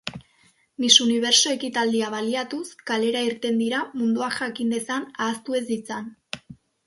Miss Universo ekitaldia baliatuz, kalera irten dira, munduak jakin dezan, ahaztu ez ditzan.